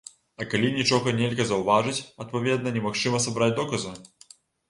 А калі нічога нельга заўважыць, адпаведна, немагчыма сабраць доказы.